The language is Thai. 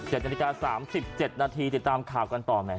๗นาฬิกา๓๗นาทีติดตามข่าวกันต่อแหม